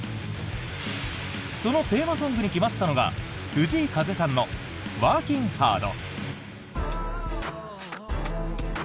そのテーマソングに決まったのが藤井風さんの「Ｗｏｒｋｉｎ’Ｈａｒｄ」。